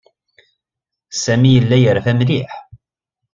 Sami yella yerfa mliḥ.